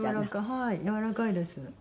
はいやわらかいです。